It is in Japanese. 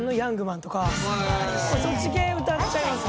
そっち系歌っちゃいます。